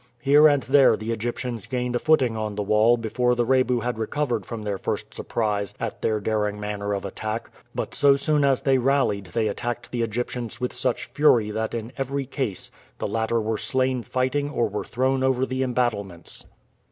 Here and there the Egyptians gained a footing on the wall before the Rebu had recovered from their first surprise at their daring manner of attack; but so soon as they rallied they attacked the Egyptians with such fury that in every case the latter were slain fighting or were thrown over the embattlements.